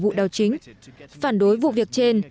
vụ đào chính phản đối vụ việc trên